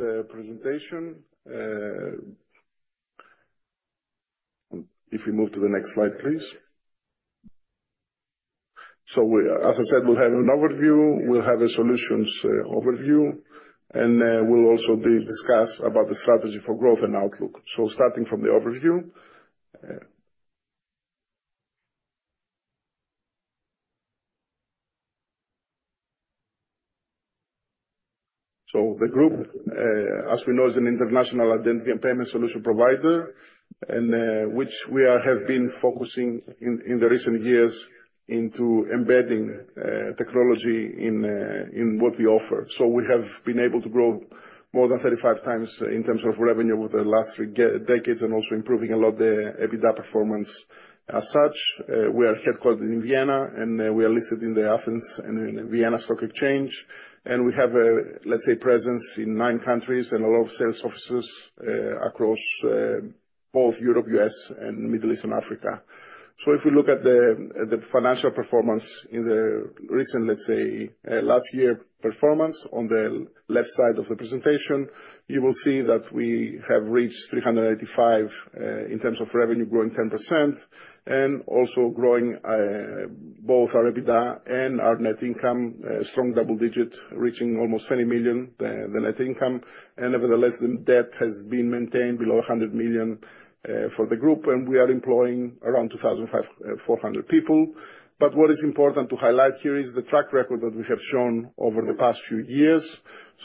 With the presentation. If we move to the next slide, please. As I said, we'll have an overview, we'll have a solutions overview, and we'll also discuss about the strategy for growth and outlook. Starting from the overview. The group, as we know, is an international identity and payment solution provider, and which we have been focusing in the recent years into embedding technology in what we offer. We have been able to grow more than 35 times in terms of revenue over the last decades and also improving a lot the EBITDA performance. As such, we are headquartered in Vienna, and we are listed in the Athens and in Vienna Stock Exchange. We have, let's say, presence in nine countries and a lot of sales offices across both Europe, U.S., and Middle East and Africa. If we look at the financial performance in the recent last year performance on the left side of the presentation, you will see that we have reached 385 million in terms of revenue growing 10% and also growing both our EBITDA and our net income, strong double-digit, reaching almost 20 million, the net income. Nevertheless, the debt has been maintained below 100 million for the group, and we are employing around 2,400 people. What is important to highlight here is the track record that we have shown over the past few years.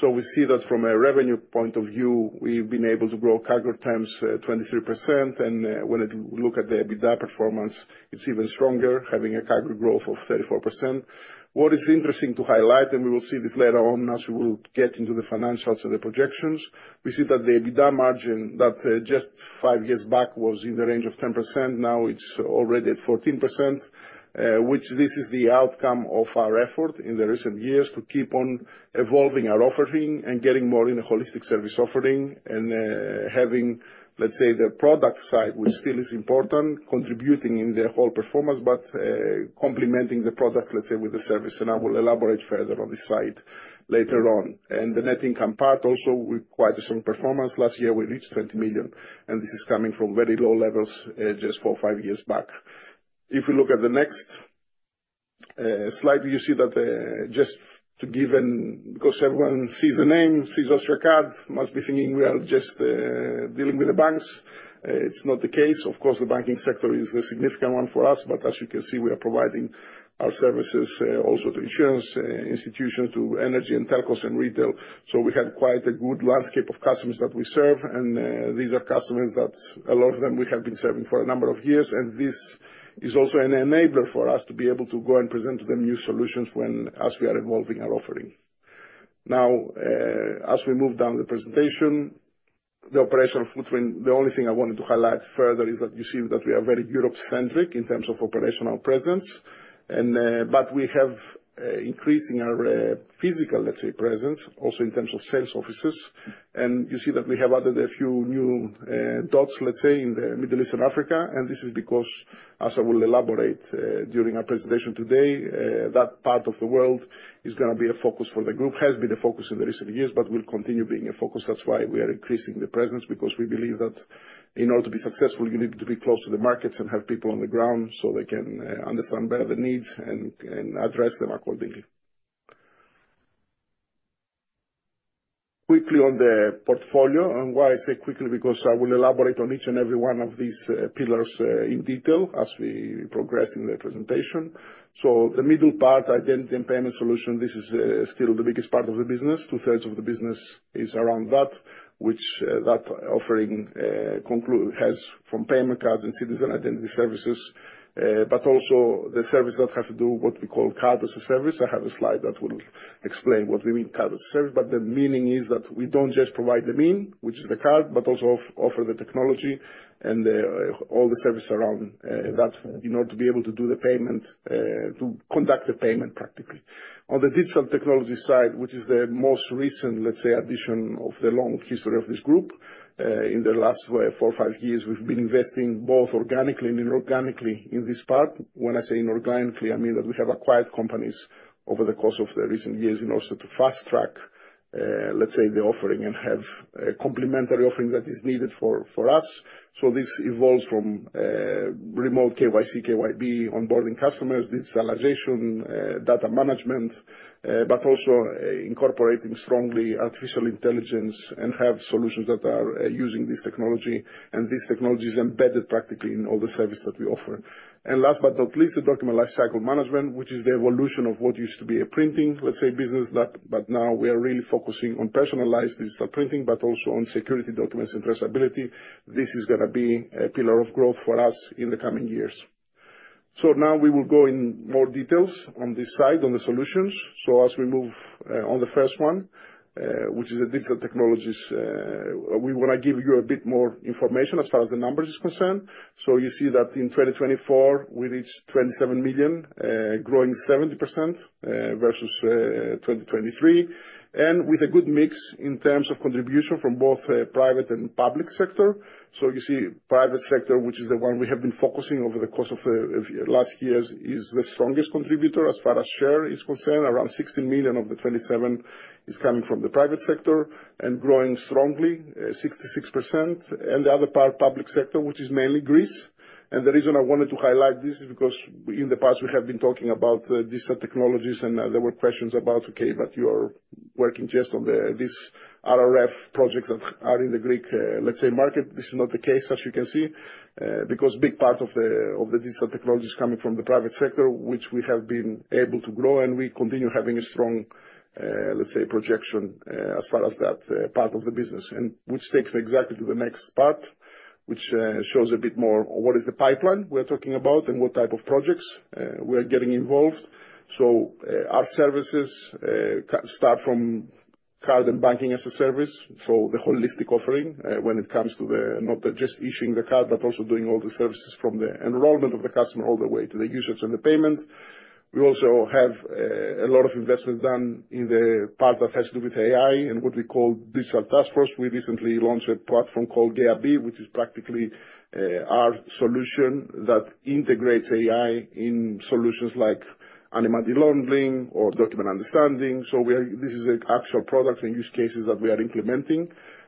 We see that from a revenue point of view, we've been able to grow CAGR terms 23%, and when you look at the EBITDA performance, it's even stronger, having a CAGR growth of 34%. What is interesting to highlight, and we will see this later on as we will get into the financials of the projections, we see that the EBITDA margin that just five years back was in the range of 10%, now it's already at 14%, which this is the outcome of our effort in the recent years to keep on evolving our offering and getting more in a holistic service offering and having, let's say, the product side, which still is important, contributing in the whole performance, but complementing the products, let's say, with the service. I will elaborate further on this slide later on. The net income part also require some performance. Last year, we reached 20 million, and this is coming from very low levels just for five years back. If we look at the next slide, you see that just to give an because everyone sees the name, sees Austriacard, must be thinking we are just dealing with the banks. It's not the case. Of course, the banking sector is a significant one for us, but as you can see, we are providing our services also to insurance institution, to energy and telcos and retail. We have quite a good landscape of customers that we serve, and these are customers that a lot of them we have been serving for a number of years. This is also an enabler for us to be able to go and present to them new solutions when as we are evolving our offering. As we move down the presentation, the operational footprint, the only thing I wanted to highlight further is that you see that we are very Europe-centric in terms of operational presence. We have increasing our physical presence, also in terms of sales offices. You see that we have added a few new dots in the Middle East and Africa. This is because, as I will elaborate during our presentation today, that part of the world is going to be a focus for the group, has been a focus in the recent years, but will continue being a focus. That's why we are increasing the presence, because we believe that in order to be successful, you need to be close to the markets and have people on the ground so they can understand better the needs and address them accordingly. Quickly on the portfolio, why I say quickly, because I will elaborate on each and every one of these pillars in detail as we progress in the presentation. The middle part, identity and payment solution, this is still the biggest part of the business. Two-thirds of the business is around that, which that offering has from payment cards and citizen identity services, also the service that have to do what we call Card-as-a-Service. I have a slide that will explain what we mean Card-as-a-Service, the meaning is that we don't just provide the mean, which is the card, also offer the technology and all the service around that in order to be able to do the payment, to conduct the payment, practically. On the digital technology side, which is the most recent, let's say, addition of the long history of this group. In the last four or five years, we've been investing both organically and inorganically in this part. When I say inorganically, I mean that we have acquired companies over the course of the recent years in order to fast-track, let's say, the offering and have a complementary offering that is needed for us. This evolves from remote KYC, KYB, onboarding customers, digitalization, data management, but also incorporating strongly artificial intelligence and have solutions that are using this technology. This technology is embedded practically in all the service that we offer. Last but not least, the document lifecycle management, which is the evolution of what used to be a printing, let's say, business, but now we are really focusing on personalized digital printing, but also on security documents and traceability. This is going to be a pillar of growth for us in the coming years. Now we will go in more details on this side, on the solutions. As we move on the first one, which is the digital technologies, we want to give you a bit more information as far as the numbers is concerned. You see that in 2024, we reached 27 million, growing 70% versus 2023, and with a good mix in terms of contribution from both private and public sector. You see private sector, which is the one we have been focusing over the course of last years, is the strongest contributor as far as share is concerned. Around 16 million of the 27 is coming from the private sector and growing strongly at 66%. The other part, public sector, which is mainly Greece. The reason I wanted to highlight this is because in the past we have been talking about digital technologies, there were questions about, okay, but you are working just on these RRF projects that are in the Greek, let's say, market. This is not the case, as you can see, because big part of the digital technology is coming from the private sector, which we have been able to grow, and we continue having a strong, let's say, projection, as far as that part of the business. Which takes me exactly to the next part, which shows a bit more what is the pipeline we are talking about and what type of projects we are getting involved. Our services start from card and banking as a service. The holistic offering, when it comes to not just issuing the card, but also doing all the services from the enrollment of the customer all the way to the usage and the payment. We also have a lot of investments done in the part that has to do with AI and what we call digital task force. We recently launched a platform called GaiaB, which is practically our solution that integrates AI in solutions like Anti-Money Laundering or document understanding. This is an actual product and use cases that we are implementing.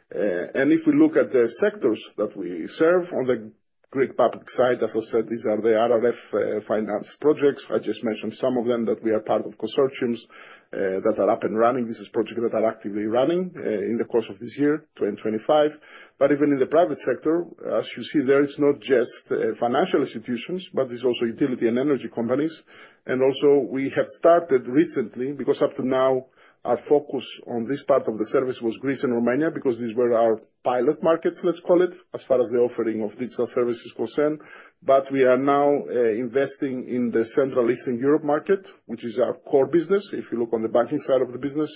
If we look at the sectors that we serve on the Greek public side, as I said, these are the RRF-financed projects. I just mentioned some of them that we are part of consortiums that are up and running. These are projects that are actively running in the course of this year, 2025. Even in the private sector, as you see there, it's not just financial institutions, but it's also utility and energy companies. Also we have started recently, because up to now, our focus on this part of the service was Greece and Romania, because these were our pilot markets, let's call it, as far as the offering of digital services concerned. We are now investing in the Central Eastern Europe market, which is our core business, if you look on the banking side of the business,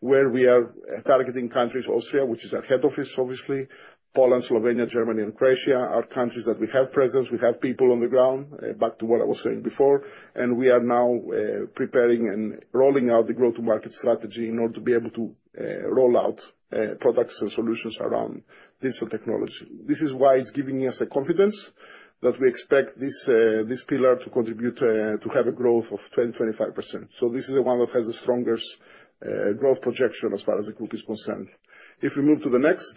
where we are targeting countries, Austria, which is our head office, obviously, Poland, Slovenia, Germany and Croatia are countries that we have presence, we have people on the ground, back to what I was saying before. We are now preparing and rolling out the go-to-market strategy in order to be able to roll out products and solutions around digital technology. This is why it's giving us a confidence that we expect this pillar to have a growth of 20%-25%. This is the one that has the strongest growth projection as far as the group is concerned. If we move to the next.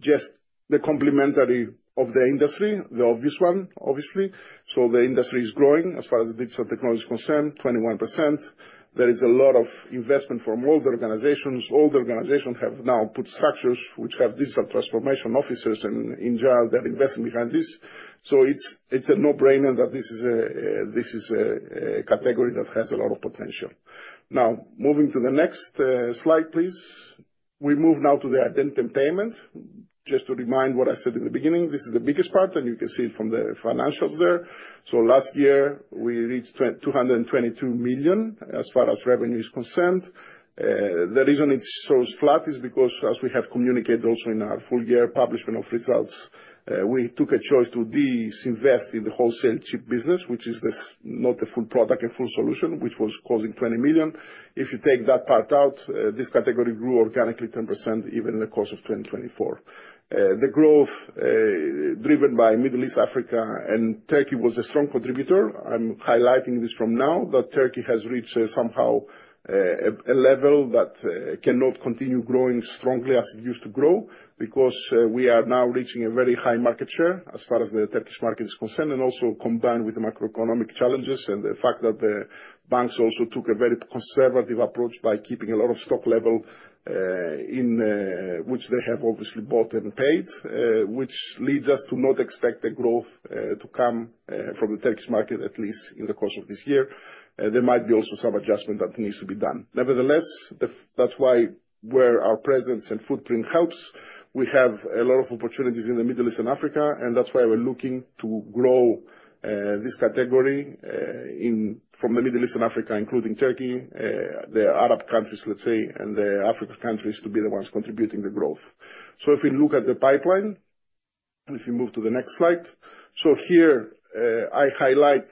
Just the complementary of the industry, the obvious one, obviously. The industry is growing as far as digital technology is concerned, 21%. There is a lot of investment from all the organizations. All the organizations have now put structures which have digital transformation officers and in general, they are investing behind this. It's a no-brainer that this is a category that has a lot of potential. Moving to the next slide, please. We move now to the identity and payment. Just to remind what I said in the beginning, this is the biggest part, and you can see it from the financials there. Last year, we reached 222 million as far as revenue is concerned. The reason it shows flat is because as we have communicated also in our full year publication of results, we took a choice to disinvest in the wholesale chip business, which is not a full product, a full solution, which was causing 20 million. If you take that part out, this category grew organically 10% even in the course of 2024. The growth driven by Middle East, Africa, and Turkey was a strong contributor. I'm highlighting this from now, that Turkey has reached somehow a level that cannot continue growing strongly as it used to grow because we are now reaching a very high market share as far as the Turkish market is concerned, combined with the macroeconomic challenges and the fact that the banks also took a very conservative approach by keeping a lot of stock level, which they have obviously bought and paid, which leads us to not expect a growth to come from the Turkish market, at least in the course of this year. There might be also some adjustment that needs to be done. Nevertheless, that's why where our presence and footprint helps, we have a lot of opportunities in the Middle East and Africa, and that's why we're looking to grow this category from the Middle East and Africa, including Turkey, the Arab countries, let's say, and the Africa countries to be the ones contributing the growth. If we look at the pipeline, and if you move to the next slide. Here, I highlight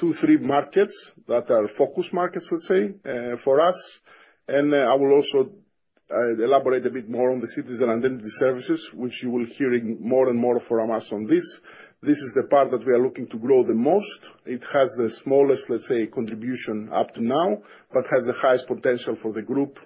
two, three markets that are focus markets, let's say, for us. I will also elaborate a bit more on the citizen identity services, which you will hearing more and more from us on this. This is the part that we are looking to grow the most. It has the smallest, let's say, contribution up to now, but has the highest potential for the group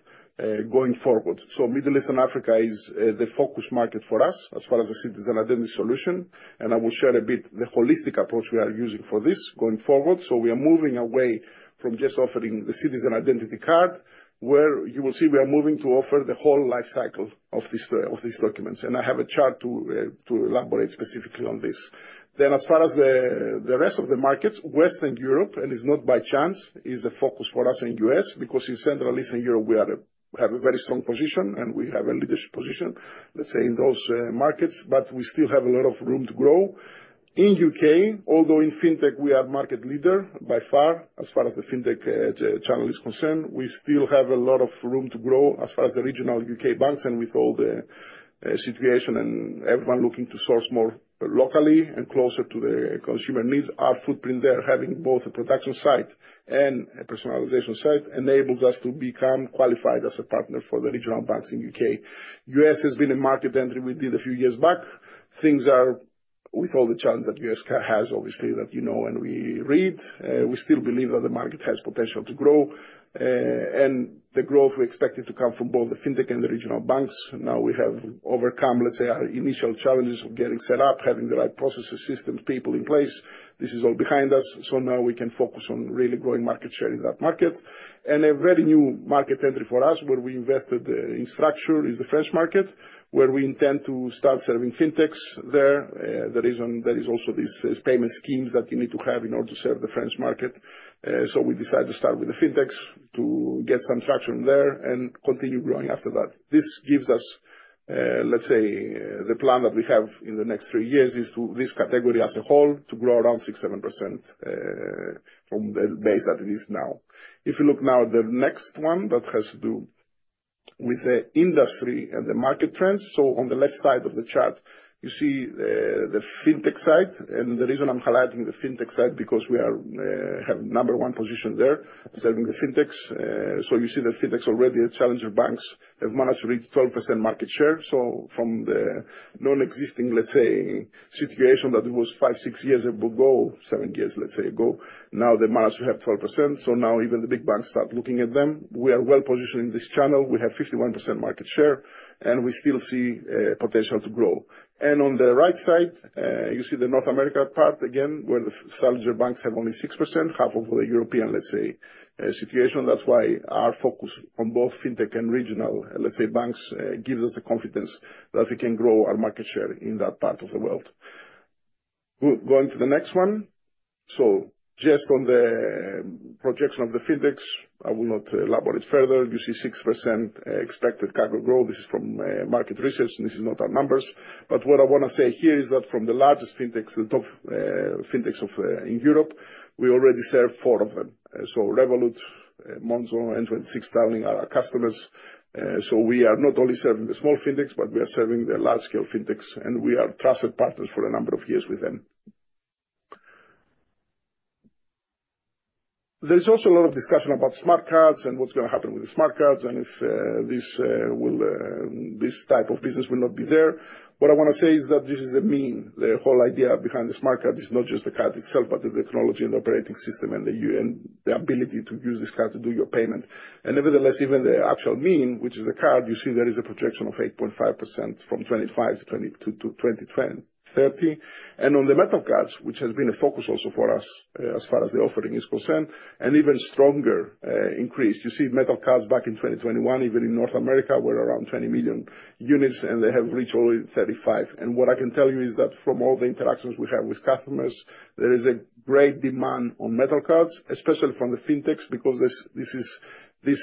going forward. Middle East and Africa is the focus market for us as far as the citizen identity solution, and I will share a bit the holistic approach we are using for this going forward. We are moving away from just offering the citizen identity card. Where you will see we are moving to offer the whole life cycle of these documents. I have a chart to elaborate specifically on this. As far as the rest of the markets, Western Europe, and it's not by chance, is a focus for us in U.S. because in Central Eastern Europe, we have a very strong position, and we have a leadership position, let's say, in those markets, but we still have a lot of room to grow. In U.K., although in fintech we are market leader by far, as far as the fintech channel is concerned, we still have a lot of room to grow as far as the regional U.K. banks and with all the situation and everyone looking to source more locally and closer to the consumer needs. Our footprint there, having both a production site and a personalization site, enables us to become qualified as a partner for the regional banks in U.K. U.S. has been a market entry we did a few years back. Things are with all the challenges that U.S. has, obviously, that you know and we read, we still believe that the market has potential to grow. The growth we expected to come from both the fintech and the regional banks. Now we have overcome, let's say, our initial challenges of getting set up, having the right processes, systems, people in place. This is all behind us. Now we can focus on really growing market share in that market. A very new market entry for us, where we invested in structure is the French market, where we intend to start serving fintechs there. The reason there is also these payment schemes that you need to have in order to serve the French market. We decided to start with the fintechs to get some traction there and continue growing after that. This gives us, let's say, the plan that we have in the next three years is to this category as a whole to grow around 6%-7% from the base that it is now. If you look now, the next one that has to do with the industry and the market trends. On the left side of the chart, you see the fintech side. The reason I'm highlighting the fintech side, because we have number one position there serving the fintechs. You see the fintechs already at challenger banks have managed to reach 12% market share. From the non-existing, let's say, situation that was five, six years ago, seven years, let's say ago, now they managed to have 12%. Now even the big banks start looking at them. We are well-positioned in this channel. We have 51% market share, and we still see potential to grow. On the right side, you see the North America part again, where the challenger banks have only 6%, half of the European, let's say, situation. That's why our focus on both fintech and regional, let's say, banks, gives us the confidence that we can grow our market share in that part of the world. Going to the next one. Just on the projection of the fintechs, I will not elaborate further. You see 6% expected CAGR growth. This is from market research, and this is not our numbers. But what I want to say here is that from the largest fintechs, the top fintechs in Europe, we already serve four of them. Revolut, Monzo, N26, Starling are our customers. We are not only serving the small fintechs, but we are serving the large-scale fintechs, and we are trusted partners for a number of years with them. There's also a lot of discussion about smart cards and what's going to happen with the smart cards and if this type of business will not be there. What I want to say is that this is a mean. The whole idea behind the smart card is not just the card itself, but the technology and operating system and the ability to use this card to do your payment. Nevertheless, even the actual mean, which is the card, you see there is a projection of 8.5% from 2025 to 2030. On the metal cards, which has been a focus also for us as far as the offering is concerned, an even stronger increase. You see metal cards back in 2021, even in North America, were around 20 million units, and they have reached only 35. What I can tell you is that from all the interactions we have with customers, there is a great demand on metal cards, especially from the fintechs, because these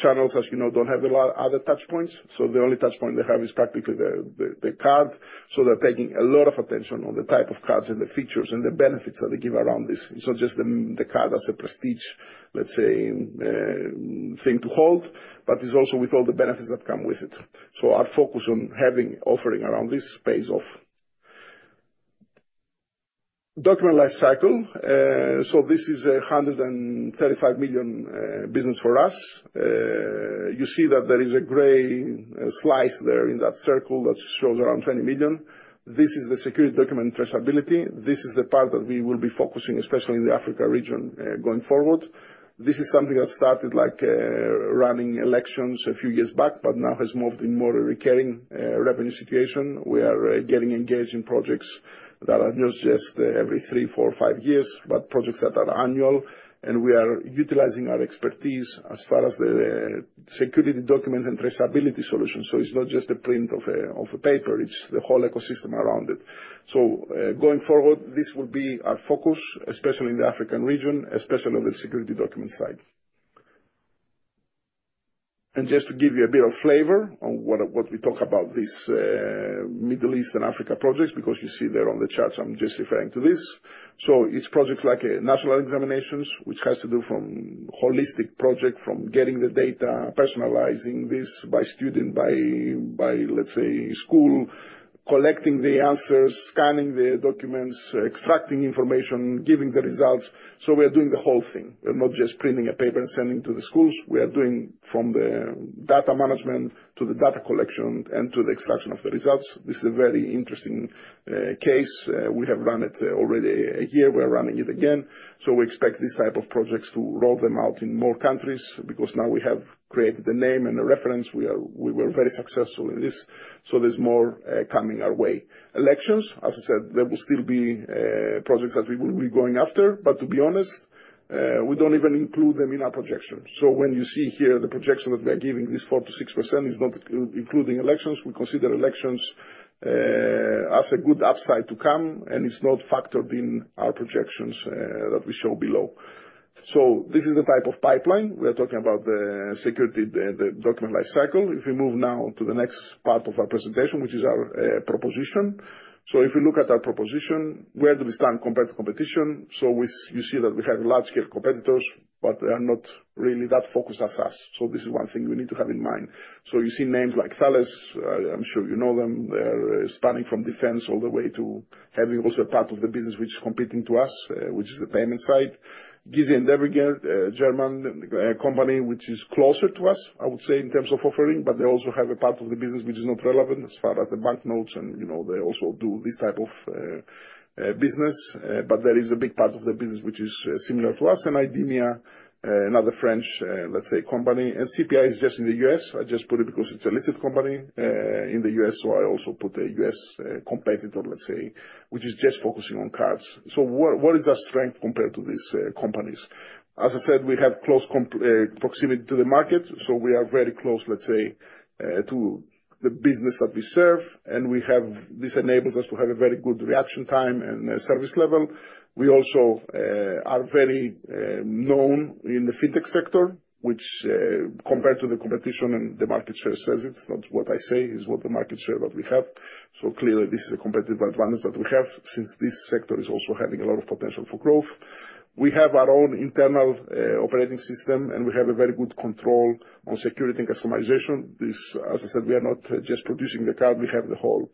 channels, as you know, don't have a lot of other touch points. The only touch point they have is practically the card. They're paying a lot of attention on the type of cards and the features and the benefits that they give around this. It's not just the card as a prestige, let's say, thing to hold, but it's also with all the benefits that come with it. Our focus on having offering around this pays off. Document life cycle. This is 135 million business for us. You see that there is a gray slice there in that circle that shows around 20 million. This is the security document traceability. This is the part that we will be focusing, especially in the Africa region, going forward. This is something that started like running elections a few years back, but now has moved in more recurring revenue situation. We are getting engaged in projects that are not just every three, four, five years, but projects that are annual. We are utilizing our expertise as far as the security document and traceability solution. It's not just a print of a paper, it's the whole ecosystem around it. Going forward, this will be our focus, especially in the African region, especially on the security document side. Just to give you a bit of flavor on what we talk about these Middle East and Africa projects, because you see there on the charts, I'm just referring to this. It's projects like national examinations, which has to do from holistic project, from getting the data, personalizing this by student, by let's say, school, collecting the answers, scanning the documents, extracting information, giving the results. We are doing the whole thing. We're not just printing a paper and sending to the schools. We are doing from the data management to the data collection, and to the extraction of the results. This is a very interesting case. We have run it already a year. We're running it again. We expect these type of projects to roll them out in more countries because now we have created the name and the reference. We were very successful in this, so there's more coming our way. Elections, as I said, there will still be projects that we will be going after, but to be honest, we don't even include them in our projection. When you see here the projection that we are giving this 4%-6% is not including elections. We consider elections as a good upside to come, and it's not factored in our projections that we show below. This is the type of pipeline. We are talking about the security, the document life cycle. If we move now to the next part of our presentation, which is our proposition. If you look at our proposition, where do we stand compared to competition? You see that we have large-scale competitors, but they are not really that focused as us. This is one thing we need to have in mind. You see names like Thales, I'm sure you know them. They're starting from defense all the way to having also part of the business which is competing to us, which is the payment side. Giesecke+Devrient, a German company which is closer to us, I would say, in terms of offering, but they also have a part of the business which is not relevant as far as the banknotes, and they also do this type of business. There is a big part of the business which is similar to us. IDEMIA, another French company. CPI is just in the U.S. I just put it because it's a listed company, in the U.S., I also put a U.S. competitor, let's say, which is just focusing on cards. What is our strength compared to these companies? As I said, we have close proximity to the market, so we are very close to the business that we serve. This enables us to have a very good reaction time and service level. We also are very known in the FinTech sector, which compared to the competition and the market share says it is not what I say, it is what the market share that we have. Clearly this is a competitive advantage that we have since this sector is also having a lot of potential for growth. We have our own internal operating system, and we have a very good control on security and customization. This, as I said, we are not just producing the card, we have the whole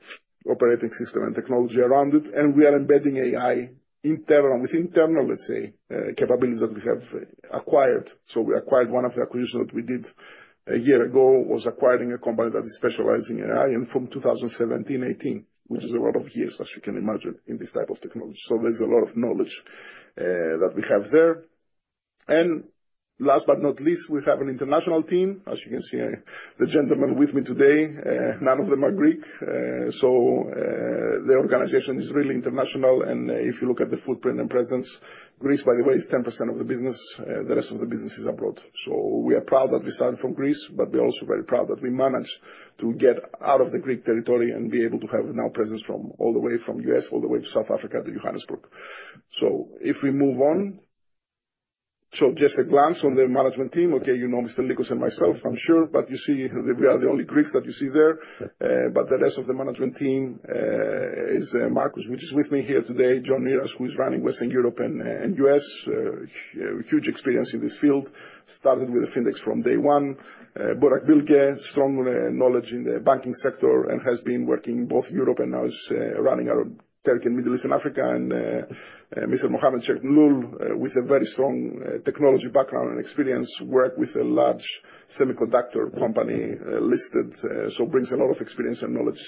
operating system and technology around it, and we are embedding AI internal with internal, let's say, capabilities that we have acquired. We acquired one of the acquisitions that we did a year ago, was acquiring a company that is specializing in AI and from 2017-2018, which is a lot of years, as you can imagine, in this type of technology. There's a lot of knowledge that we have there. Last but not least, we have an international team. As you can see, the gentlemen with me today, none of them are Greek. The organization is really international, and if you look at the footprint and presence, Greece, by the way, is 10% of the business. The rest of the business is abroad. We are proud that we started from Greece, but we're also very proud that we managed to get out of the Greek territory and be able to have now presence all the way from U.S., all the way to South Africa, to Johannesburg. If we move on. Just a glance on the management team. You know Mr. Nikos and myself, I'm sure, you see we are the only Greeks that you see there. The rest of the management team is Markus, which is with me here today. Jon Neeraas, who is running Western Europe and U.S., huge experience in this field. Started with FinTechs from day one. Burak Bilge, strong knowledge in the banking sector and has been working both Europe and now is running our Türkiye, Middle East and Africa. Mr. Mohamed Chemloul, with a very strong technology background and experience, worked with a large semiconductor company, listed, so brings a lot of experience and knowledge.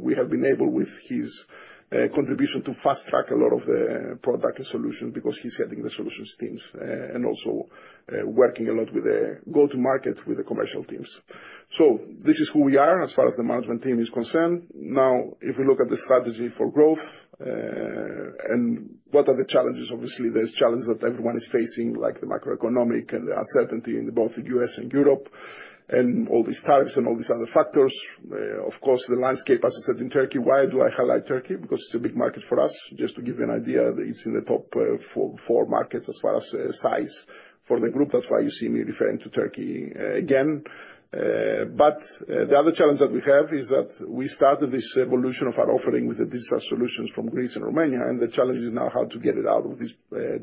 We have been able, with his contribution, to fast-track a lot of the product and solution because he is heading the solutions teams, and also working a lot with the go-to-market with the commercial teams. This is who we are as far as the management team is concerned. If we look at the strategy for growth, and what are the challenges, obviously, there are challenges that everyone is facing, like the macroeconomic and the uncertainty in both the U.S. and Europe, and all these tariffs and all these other factors. The landscape, as I said, in Turkey, why do I highlight Turkey? Because it is a big market for us. Just to give you an idea, it is in the top four markets as far as size for the group. That is why you see me referring to Turkey again. The other challenge that we have is that we started this evolution of our offering with the digital solutions from Greece and Romania, the challenge is now how to get it out of this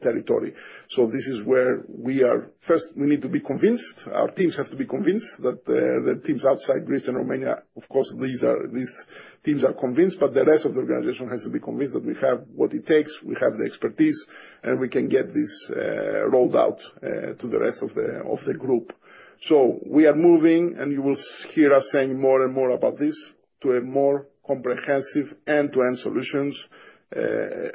territory. This is where we are. First, we need to be convinced, our teams have to be convinced, the teams outside Greece and Romania, of course, these teams are convinced, but the rest of the organization has to be convinced that we have what it takes, we have the expertise, and we can get this rolled out to the rest of the group. We are moving, and you will hear us saying more and more about this to a more comprehensive end-to-end solutions,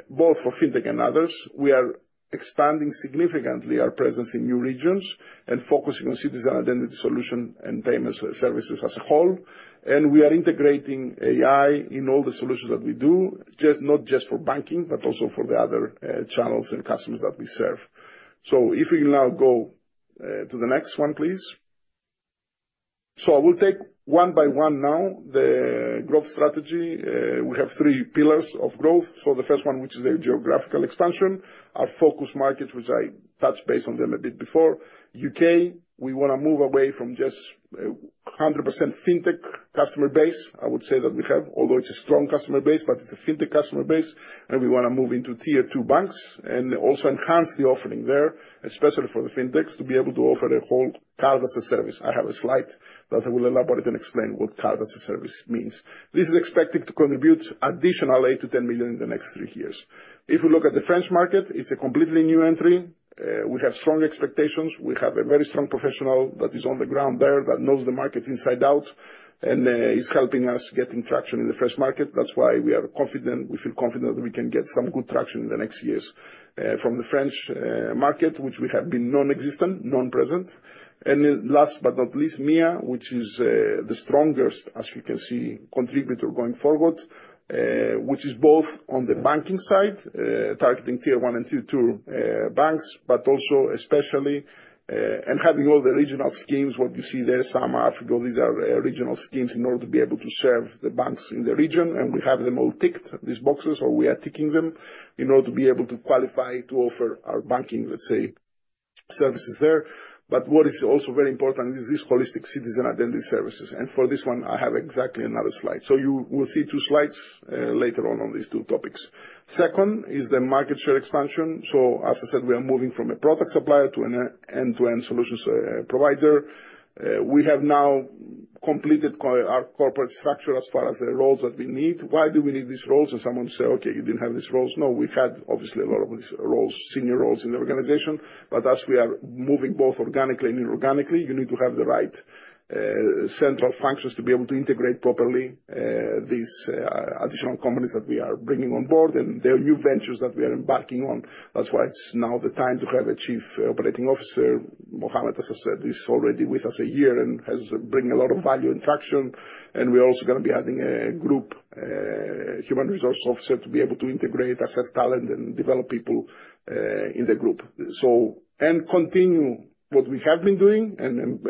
both for FinTech and others. We are expanding significantly our presence in new regions and focusing on citizen identity solution and payment services as a whole. We are integrating AI in all the solutions that we do, not just for banking, but also for the other channels and customers that we serve. If we now go to the next one, please. I will take one by one now the growth strategy. We have three pillars of growth. The first one, which is a geographical expansion. Our focus markets, which I touched base on them a bit before. U.K., we want to move away from just 100% FinTech customer base. I would say that we have, although it's a strong customer base, but it's a FinTech customer base, and we want to move into tier two banks and also enhance the offering there, especially for the FinTechs, to be able to offer a whole Card-as-a-Service. I have a slide that I will elaborate and explain what Card-as-a-Service means. This is expected to contribute additional 8 million-10 million in the next three years. If you look at the French market, it's a completely new entry. We have strong expectations. We have a very strong professional that is on the ground there that knows the market inside out, and is helping us getting traction in the French market. That's why we feel confident that we can get some good traction in the next years, from the French market, which we have been non-existent, non-present. Last but not least, MEA, which is the strongest, as you can see, contributor going forward, which is both on the banking side, targeting tier one and tier two banks, but also especially, having all the regional schemes, what you see there, SAMA Africa, these are regional schemes in order to be able to serve the banks in the region, and we have them all ticked these boxes, or we are ticking them in order to be able to qualify to offer our banking, let's say services there. What is also very important is these holistic citizen identity services. For this one, I have exactly another slide. You will see two slides later on these two topics. Second is the market share expansion. As I said, we are moving from a product supplier to an end-to-end solutions provider. We have now completed our corporate structure as far as the roles that we need. Why do we need these roles? Someone say, "Okay, you didn't have these roles." No, we've had, obviously, a lot of these roles, senior roles in the organization, but as we are moving both organically and inorganically, you need to have the right central functions to be able to integrate properly these additional companies that we are bringing on board and the new ventures that we are embarking on. That's why it's now the time to have a Chief Operating Officer. Mohamed, as I said, is already with us a year and has bring a lot of value and traction. We're also going to be adding a Group Human Resource Officer to be able to integrate, assess talent, and develop people in the group. Continue what we have been doing and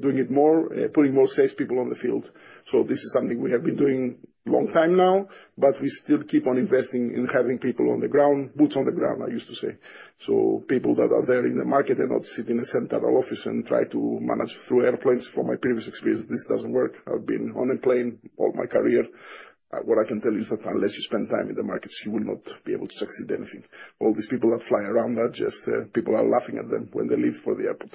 doing it more, putting more salespeople on the field. This is something we have been doing long time now, but we still keep on investing in having people on the ground, boots on the ground, I used to say. People that are there in the market, they're not sitting in a central office and try to manage through airplanes. From my previous experience, this doesn't work. I've been on a plane all my career. What I can tell you is that unless you spend time in the markets, you will not be able to succeed anything. All these people that fly around are just people are laughing at them when they leave for the airport.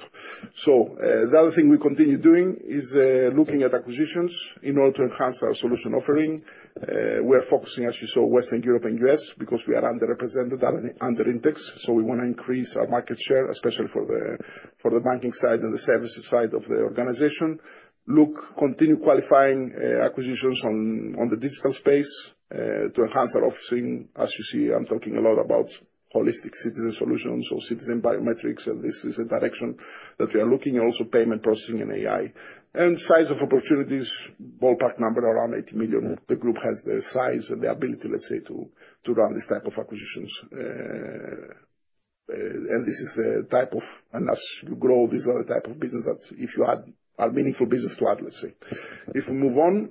The other thing we continue doing is looking at acquisitions in order to enhance our solution offering. We are focusing, as you saw, Western Europe and U.S., because we are underrepresented and under-index. We want to increase our market share, especially for the banking side and the services side of the organization. Look, continue qualifying acquisitions on the digital space to enhance our offering. As you see, I'm talking a lot about holistic citizen solutions or citizen biometrics, and this is a direction that we are looking. Also, payment processing and AI. Size of opportunities, ballpark number around 80 million. The group has the size and the ability, let's say, to run this type of acquisitions. As you grow, these are the type of business that if you had a meaningful business to add, let's say. If we move on.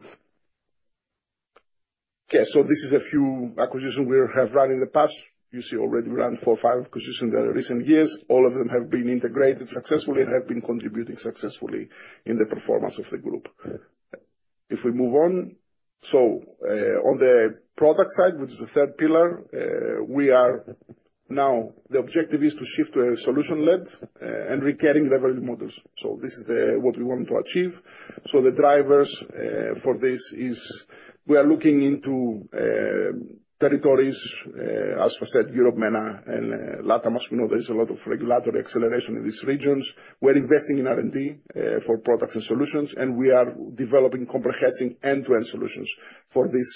Okay. This is a few acquisitions we have run in the past. You see already run four or five acquisitions in the recent years. All of them have been integrated successfully and have been contributing successfully in the performance of the group. If we move on. On the product side, which is the third pillar, now the objective is to shift to a solution-led and recurring revenue models. This is what we want to achieve. The drivers for this is we are looking into territories, as I said, Europe, MENA, and Latin. As we know, there's a lot of regulatory acceleration in these regions. We're investing in R&D for products and solutions, and we are developing comprehensive end-to-end solutions for these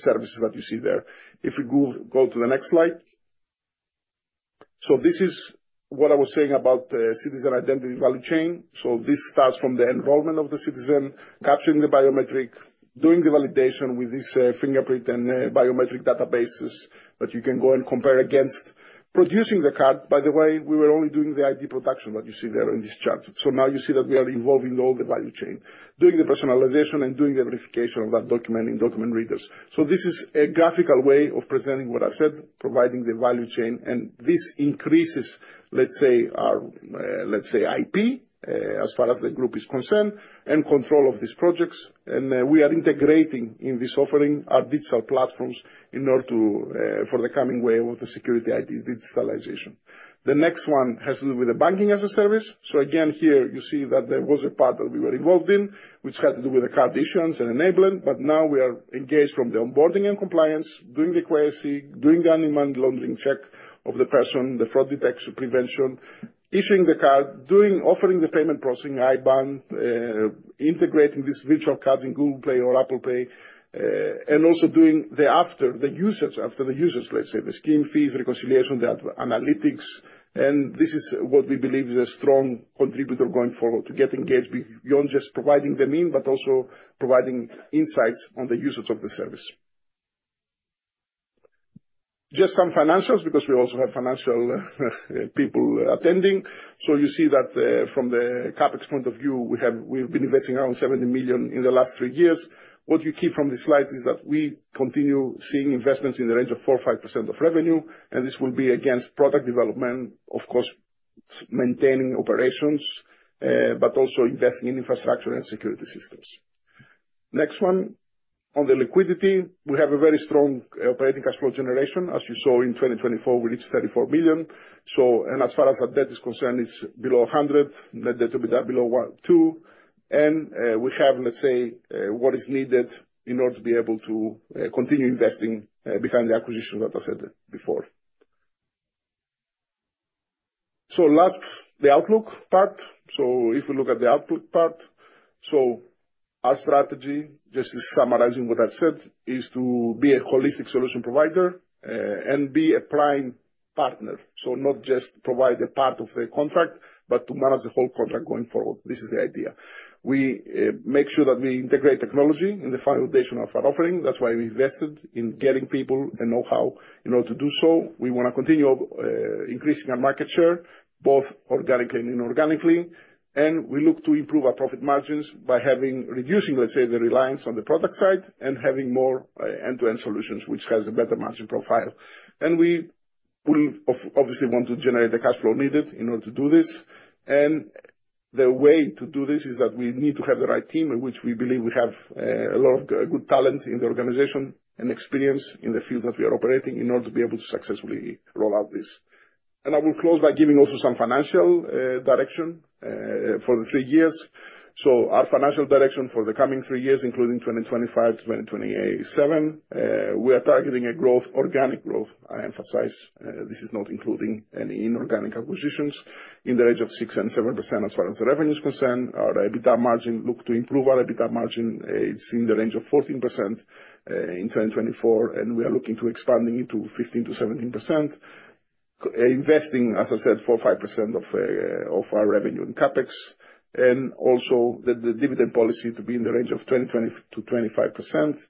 services that you see there. If we go to the next slide. This is what I was saying about citizen identity value chain. This starts from the involvement of the citizen, capturing the biometric, doing the validation with this fingerprint and biometric databases that you can go and compare against. Producing the card, by the way, we were only doing the ID production that you see there in this chart. Now you see that we are involving all the value chain. Doing the personalization and doing the verification of that document in document readers. This is a graphical way of presenting what I said, providing the value chain. This increases, let's say IP, as far as the group is concerned, and control of these projects. We are integrating in this offering our digital platforms in order to for the coming way with the security IDs digitalization. The next one has to do with the banking as a service. Again, here you see that there was a part that we were involved in, which had to do with the card issuance and enablement. Now we are engaged from the onboarding and compliance, doing the KYC, doing Anti-Money Laundering check of the person, the fraud detection prevention, issuing the card, offering the payment processing, IBAN, integrating these virtual cards in Google Pay or Apple Pay, and also doing the usage after the users, let's say, the scheme fees, reconciliation, the analytics. This is what we believe is a strong contributor going forward to get engaged beyond just providing the mean, but also providing insights on the usage of the service. Just some financials, because we also have financial people attending. You see that from the CapEx point of view, we've been investing around 70 million in the last three years. What you keep from this slide is that we continue seeing investments in the range of 4%-5% of revenue. This will be against product development, of course, maintaining operations, also investing in infrastructure and security systems. Next one, on the liquidity, we have a very strong operating cash flow generation. As you saw in 2024, we reached 34 million. As far as our debt is concerned, it is below 100. Net debt to EBITDA below two. We have, let's say, what is needed in order to be able to continue investing behind the acquisition, as I said before. Last, the outlook part. If we look at the outlook part. Our strategy, just summarizing what I have said, is to be a holistic solution provider and be a prime partner. Not just provide a part of the contract, but to manage the whole contract going forward. This is the idea. We make sure that we integrate technology in the foundation of our offering. That's why we invested in getting people and know-how in order to do so. We want to continue increasing our market share, both organically and inorganically. We look to improve our profit margins by reducing, let's say, the reliance on the product side and having more end-to-end solutions, which has a better margin profile. We obviously want to generate the cash flow needed in order to do this. The way to do this is that we need to have the right team, in which we believe we have a lot of good talent in the organization, and experience in the fields that we are operating in order to be able to successfully roll out this. I will close by giving also some financial direction for the three years. Our financial direction for the coming three years, including 2025 to 2027, we are targeting a growth, organic growth, I emphasize. This is not including any inorganic acquisitions, in the range of 6%-7% as far as the revenue is concerned. Our EBITDA margin look to improve. Our EBITDA margin, it's in the range of 14% in 2024, and we are looking to expanding into 15%-17%. Investing, as I said, 4% or 5% of our revenue in CapEx, and also the dividend policy to be in the range of 20%-25%,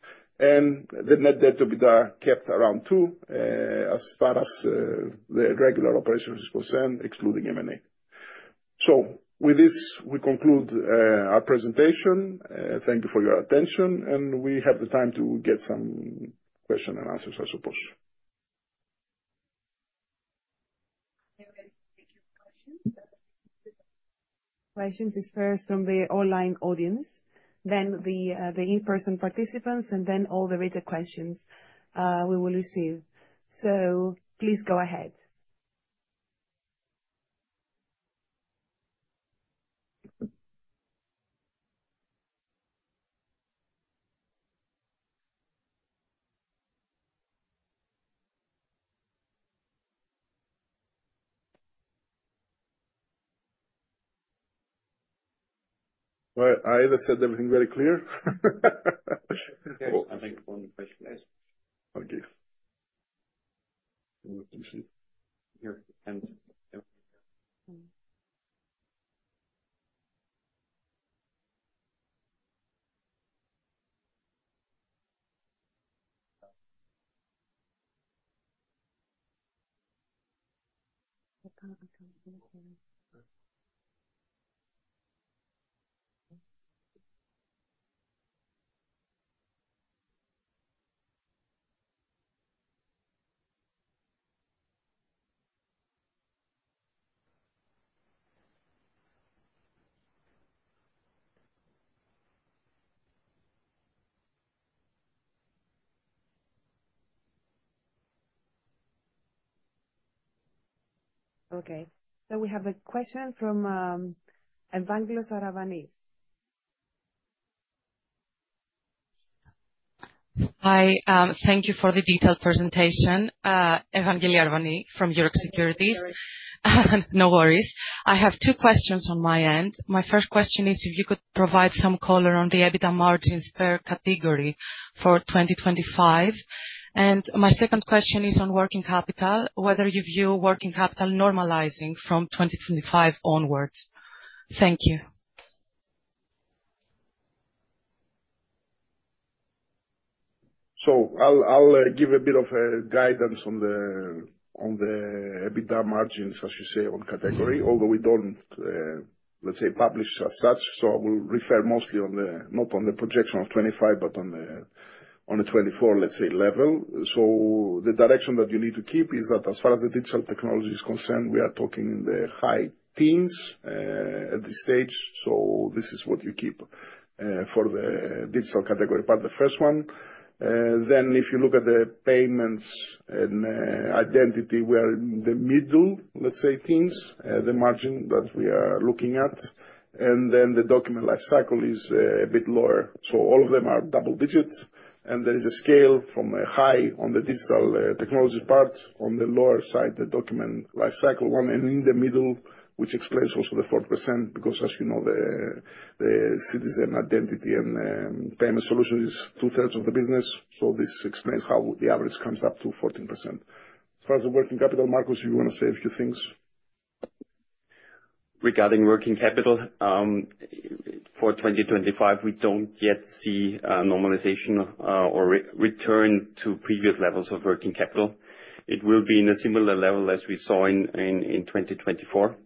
and the net debt to EBITDA kept around two, as far as the regular operations is concerned, excluding M&A. With this, we conclude our presentation. Thank you for your attention. We have the time to get some question and answers, I suppose. We are ready to take your questions. Questions is first from the online audience, then the in-person participants, and then all the written questions we will receive. Please go ahead. Well, either I said everything very clear. I think one question is. Okay. Here. Okay. We have a question from Evangelia Aravani. Hi. Thank you for the detailed presentation. Evangelia Aravani from Euroxx Securities. No worries. I have two questions on my end. My first question is if you could provide some color on the EBITDA margins per category for 2025. My second question is on working capital, whether you view working capital normalizing from 2025 onwards. Thank you. I'll give a bit of a guidance on the EBITDA margins, as you say, on category, although we don't publish as such, I will refer mostly not on the projection of 2025, but on the 2024 level. The direction that you need to keep is that as far as the digital technology is concerned, we are talking in the high teens, at this stage. This is what you keep for the digital category part, the first one. If you look at the payments and identity, we are in the middle teens, the margin that we are looking at. The document life cycle is a bit lower. All of them are double digits, and there is a scale from a high on the digital technologies part, on the lower side, the document life cycle one. In the middle, which explains also the 40%, because as you know, the citizen identity and payment solution is two-thirds of the business. This explains how the average comes up to 14%. As far as the working capital, Markus, you want to say a few things? Regarding working capital, for 2025, we don't yet see a normalization or return to previous levels of working capital. It will be in a similar level as we saw in 2024.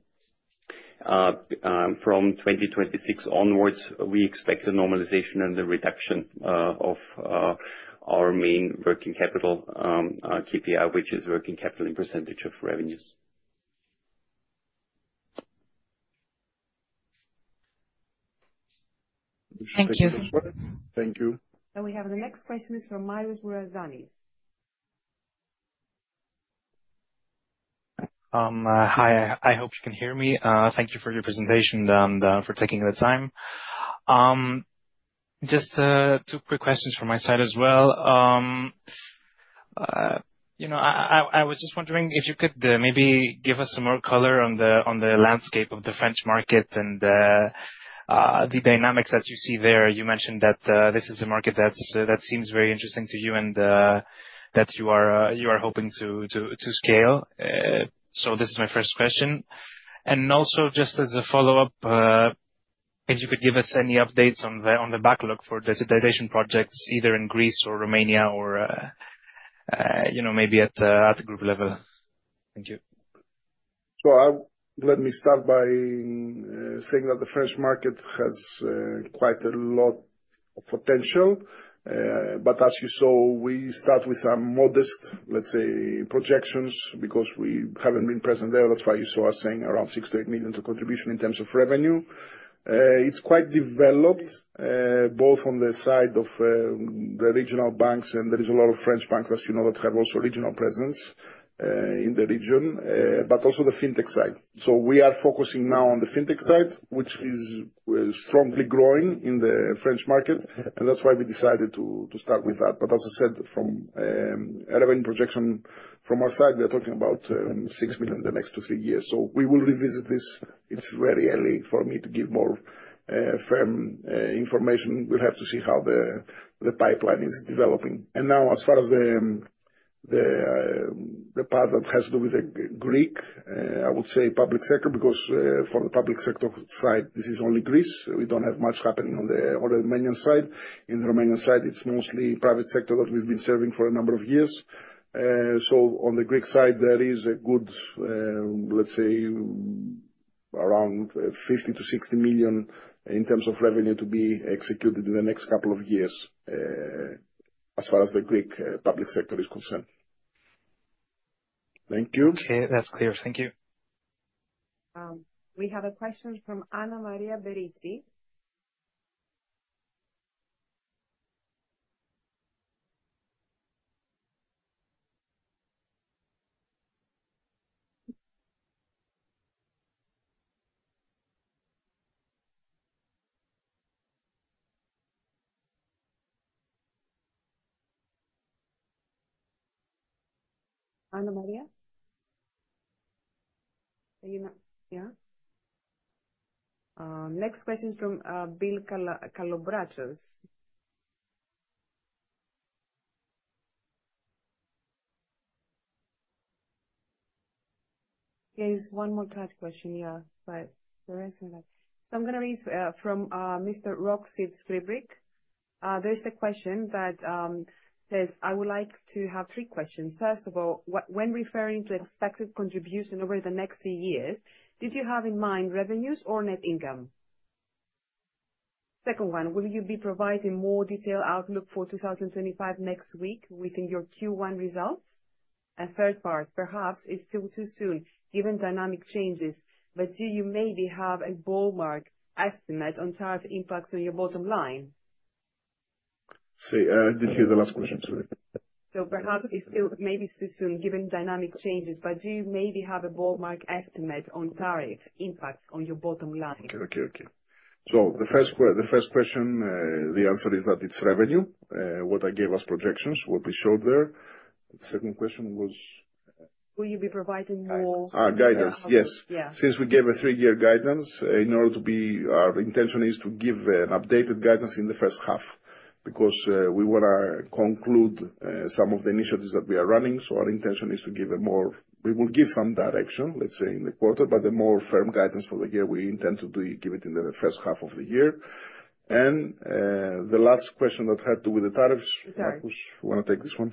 From 2026 onwards, we expect the normalization and the reduction of our main working capital KPI, which is working capital in percentage of revenues. Thank you. Thank you. We have the next question is from Marios Bourazanis. Hi, I hope you can hear me. Thank you for your presentation and for taking the time. Just two quick questions from my side as well. I was just wondering if you could maybe give us some more color on the landscape of the French market and the dynamics that you see there. You mentioned that this is a market that seems very interesting to you and that you are hoping to scale. This is my first question. Just as a follow-up, if you could give us any updates on the backlog for digitization projects, either in Greece or Romania or maybe at the group level. Thank you. Let me start by saying that the French market has quite a lot of potential. As you saw, we start with modest, let's say, projections, because we haven't been present there. That's why you saw us saying around 6 million-8 million of contribution in terms of revenue. It's quite developed, both on the side of the regional banks, and there is a lot of French banks, as you know, that have also regional presence in the region, but also the fintech side. We are focusing now on the fintech side, which is strongly growing in the French market, and that's why we decided to start with that. As I said, from relevant projection from our side, we are talking about 6 million in the next to three years. We will revisit this. It's very early for me to give more firm information. We'll have to see how the pipeline is developing. Now, as far as the part that has to do with the Greek, I would say public sector, because for the public sector side, this is only Greece. We don't have much happening on the Romanian side. In the Romanian side, it's mostly private sector that we've been serving for a number of years. On the Greek side, there is a good, let's say, around 50 million-60 million in terms of revenue to be executed in the next two years, as far as the Greek public sector is concerned. Thank you. Okay, that's clear. Thank you. We have a question from Anna Maria Berizzi. Anna Maria? Are you not here? Next question is from Vasilis Kalobrachos. There's one more tariff question here, but there isn't any. I'm going to read from Mr. Roxeth Slibrik. There's a question that says, "I would like to have three questions. First of all, when referring to expected contribution over the next few years, did you have in mind revenues or net income? Second one, will you be providing more detailed outlook for 2025 next week within your Q1 results? Third part, perhaps it's still too soon, given dynamic changes, but do you maybe have a ballpark estimate on tariff impacts on your bottom line? See, I didn't hear the last question, sorry. Perhaps it's still maybe too soon, given dynamic changes, but do you maybe have a ballpark estimate on tariff impacts on your bottom line? Okay. The first question, the answer is that it's revenue, what I gave as projections, what we showed there. Second question was? Will you be providing more. Guidance. Yes. Yeah. Since we gave a three year guidance, our intention is to give an updated guidance in the first half, because we want to conclude some of the initiatives that we are running. Our intention is to give some direction, let's say, in the quarter, but the more firm guidance for the year, we intend to give it in the first half of the year. The last question that had to do with the tariffs. The tariffs. Markus, you want to take this one?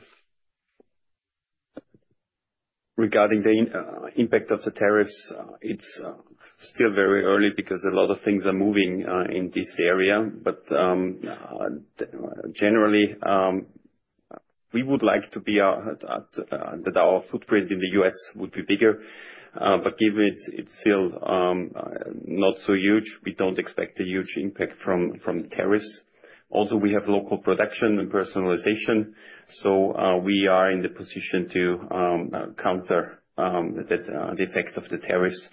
Regarding the impact of the tariffs, it's still very early because a lot of things are moving in this area. Generally, we would like that our footprint in the U.S. would be bigger. Given it's still not so huge, we don't expect a huge impact from tariffs. Also, we have local production and personalization, so we are in the position to counter the effect of the tariffs.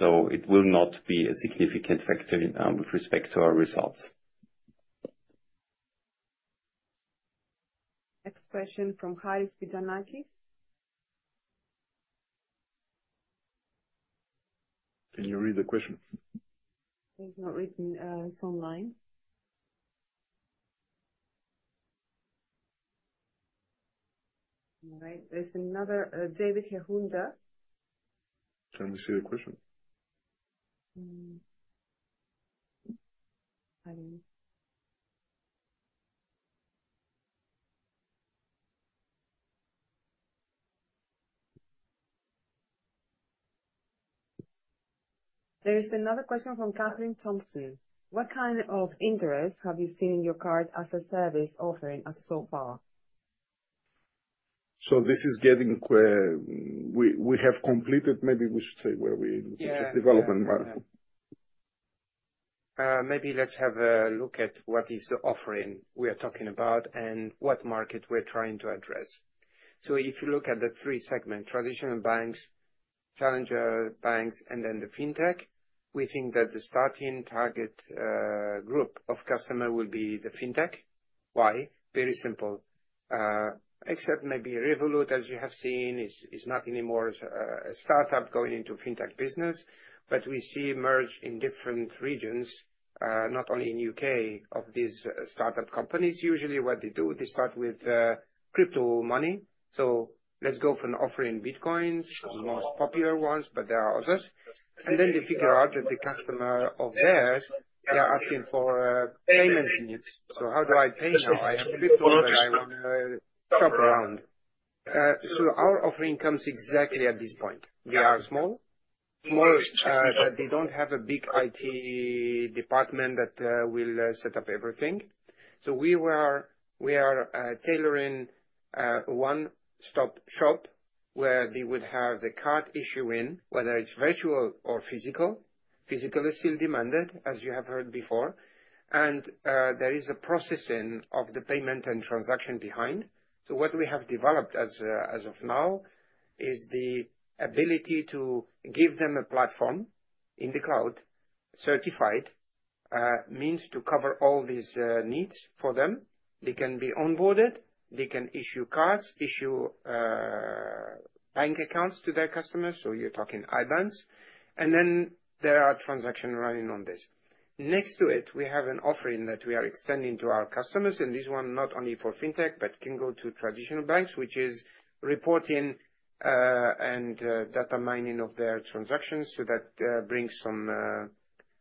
It will not be a significant factor with respect to our results. Next question from Charis Pitanis. Can you read the question? It's not written, it's online. All right, there's another, David Jerunda. Can we see the question? There is another question from Katherine Thompson. What kind of interest have you seen in your Card-as-a-Service offering so far? We have completed. Yeah. Development mark. Maybe let's have a look at what is the offering we are talking about and what market we're trying to address. If you look at the three segment, traditional banks, challenger banks, and then the fintech, we think that the starting target group of customer will be the fintech. Why? Very simple. Except maybe Revolut, as you have seen, is not anymore a startup going into fintech business. We see merge in different regions, not only in U.K., of these startup companies. Usually what they do, they start with crypto money. Let's go for an offering Bitcoins, the most popular ones, but there are others. They figure out that the customer of theirs, they are asking for payment needs. How do I pay now? I have Bitcoin, but I want to shop around. Our offering comes exactly at this point. We are small. Small, they don't have a big IT department that will set up everything. We are tailoring a one-stop shop where they would have the card issuing, whether it's virtual or physical. Physical is still demanded, as you have heard before. There is a processing of the payment and transaction behind. What we have developed as of now is the ability to give them a platform in the cloud, certified, means to cover all these needs for them. They can be onboarded, they can issue cards, issue bank accounts to their customers. You're talking IBANs. There are transaction running on this. Next to it, we have an offering that we are extending to our customers, and this one not only for fintech, but can go to traditional banks, which is reporting and data mining of their transactions. That brings some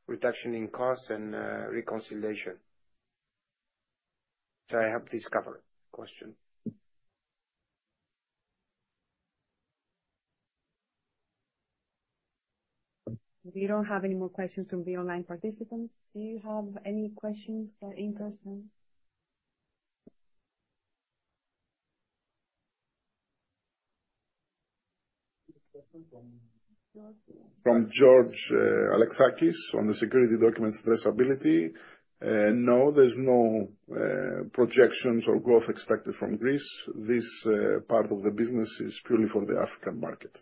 reduction in costs and reconciliation. I hope this cover question. We don't have any more questions from the online participants. Do you have any questions or interests then? From George Alexakis on the security documents traceability. No. There's no projections or growth expected from Greece. This part of the business is purely for the African market.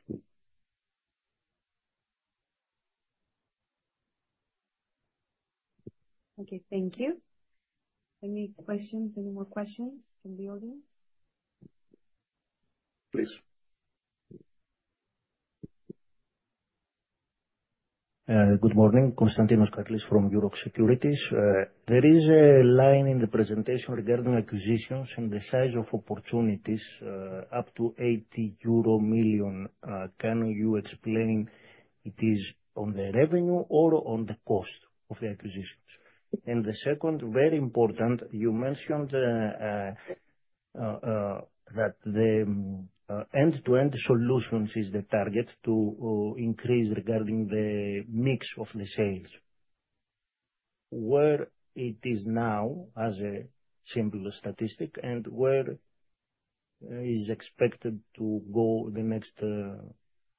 Okay. Thank you. Any more questions from the audience? Please. Good morning. Konstantinos Carlis from Euroxx Securities. There is a line in the presentation regarding acquisitions and the size of opportunities, up to 80 million euro. Can you explain it is on the revenue or on the cost of the acquisitions? The second, very important, you mentioned that the end-to-end solutions is the target to increase regarding the mix of the sales. Where it is now as a simple statistic, and where is expected to go the next,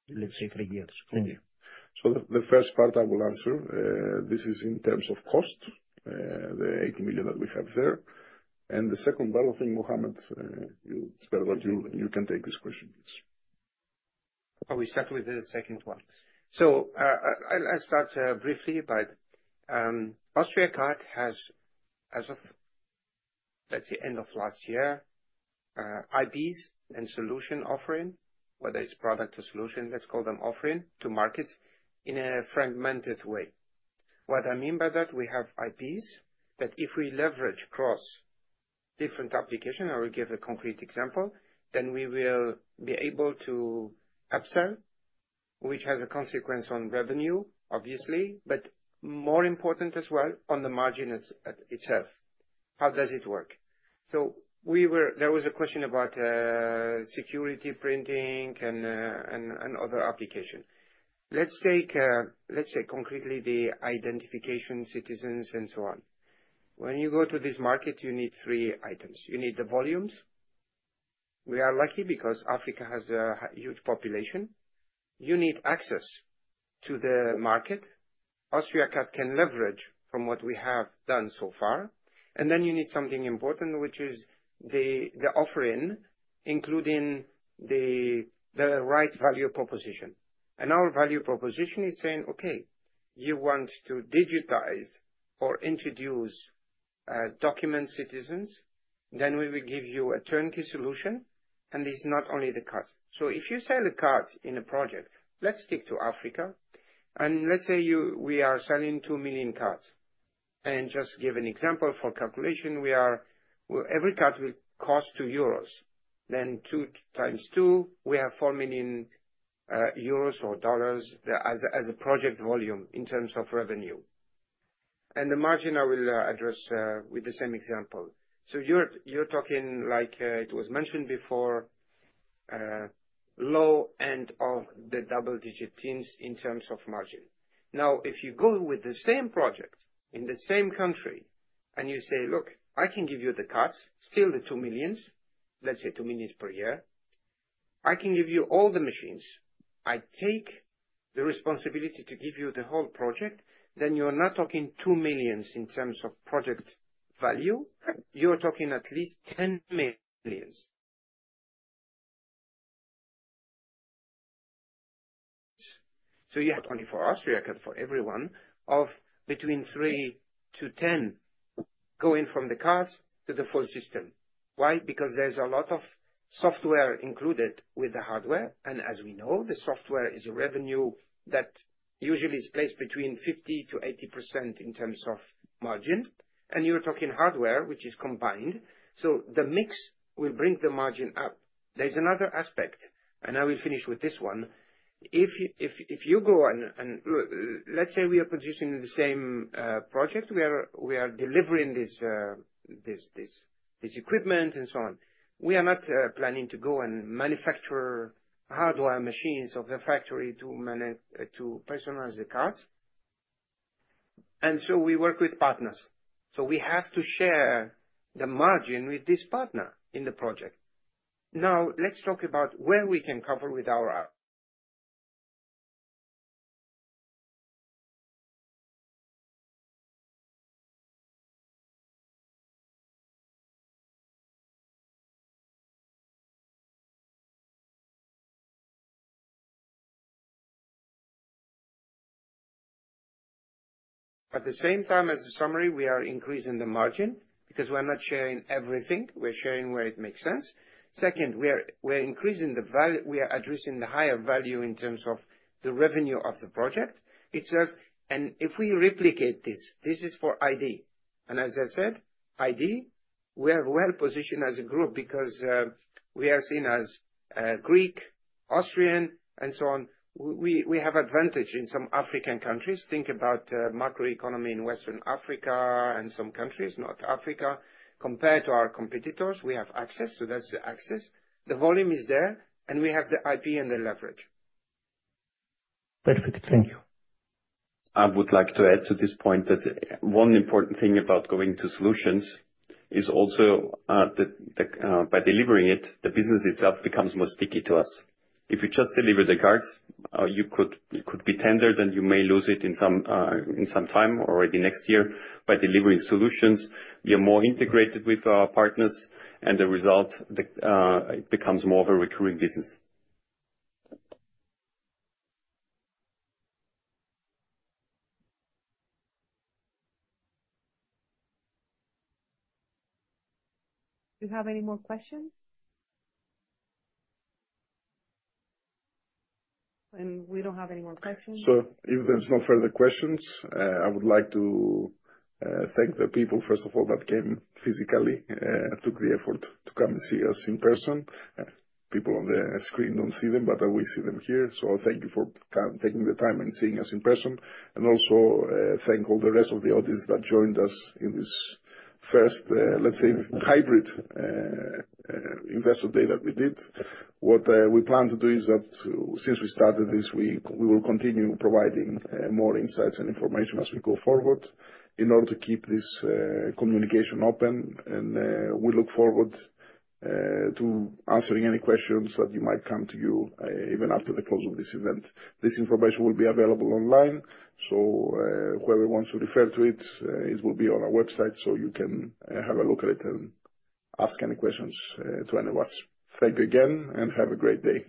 let's say, three years? Thank you. The first part I will answer, this is in terms of cost, the 80 million that we have there. The second, I would think, Mohamed, it's better that you can take this question, please. We start with the second one. I'll start briefly. Austriacard has, as of, let's say, end of last year, IPs and solution offering, whether it's product or solution, let's call them offering to markets in a fragmented way. What I mean by that, we have IPs that if we leverage across different application, I will give a concrete example. We will be able to upsell, which has a consequence on revenue, obviously, but more important as well on the margin itself. How does it work? There was a question about security printing and other application. Let's say concretely the identification citizens and so on. When you go to this market, you need three items. You need the volumes. We are lucky because Africa has a huge population. You need access to the market. Austriacard can leverage from what we have done so far. Then you need something important, which is the offering, including the right value proposition. Our value proposition is saying, okay, you want to digitize or introduce document citizens, then we will give you a turnkey solution. It's not only the card. If you sell a card in a project, let's stick to Africa, and let's say we are selling 2 million cards. Just give an example for calculation. Every card will cost 2 euros × 2, we have 4 million euros or USD as a project volume in terms of revenue. The margin I will address with the same example. You're talking, like it was mentioned before, low end of the double-digit teens in terms of margin. If you go with the same project in the same country and you say, "Look, I can give you the cards," still the 2 million, let's say 2 million per year. I can give you all the machines. I take the responsibility to give you the whole project. You're not talking 2 million in terms of project value. You're talking at least 10 million. You have 24 Austriacard for everyone of between 3 to 10 going from the cards to the full system. Why? Because there's a lot of software included with the hardware. As we know, the software is a revenue that usually is placed between 50%-80% in terms of margin. You're talking hardware, which is combined. The mix will bring the margin up. There's another aspect, and I will finish with this one. Let's say we are producing the same project. We are delivering this equipment and so on. We are not planning to go and manufacture hardware machines of the factory to personalize the cards. We work with partners. We have to share the margin with this partner in the project. Now let's talk about where we can cover with our app. At the same time as a summary, we are increasing the margin because we're not sharing everything, we're sharing where it makes sense. Second, we are addressing the higher value in terms of the revenue of the project itself. If we replicate this is for ID. As I said, ID, we are well-positioned as a group because we are seen as Greek, Austrian, and so on. We have advantage in some African countries. Think about macroeconomy in Western Africa and some countries, North Africa. Compared to our competitors, we have access. That's the access. The volume is there, we have the IP and the leverage. Perfect. Thank you. I would like to add to this point that one important thing about going to solutions is also by delivering it, the business itself becomes more sticky to us. If you just deliver the cards, you could be tendered, and you may lose it in some time or the next year. By delivering solutions, we are more integrated with our partners, and the result, it becomes more of a recurring business. Do you have any more questions? We don't have any more questions. If there's no further questions, I would like to thank the people, first of all, that came physically, took the effort to come and see us in person. People on the screen don't see them, but we see them here. Thank you for taking the time and seeing us in person. Also thank all the rest of the audience that joined us in this first, let's say, hybrid investor day that we did. What we plan to do is that since we started this week, we will continue providing more insights and information as we go forward in order to keep this communication open. We look forward to answering any questions that might come to you even after the close of this event. This information will be available online. Whoever wants to refer to it will be on our website, you can have a look at it and ask any questions to any of us. Thank you again, have a great day.